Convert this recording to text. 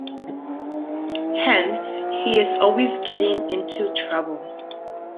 Hence, he is always getting into trouble.